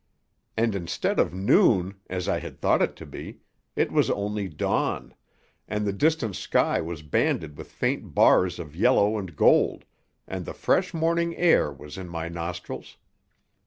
And, instead of noon, as I had thought it to be, it was only dawn, and the distant sky was banded with faint bars of yellow and gold, and the fresh morning air was in my nostrils.